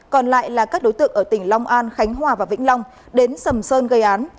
còn lại là các đối tượng ở tỉnh long an khánh hòa và vĩnh long đến sầm sơn gây án